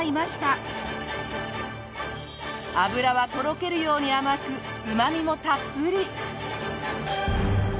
脂はとろけるように甘くうま味もたっぷり！